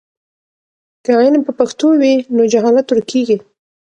که علم په پښتو وي نو جهالت ورکېږي.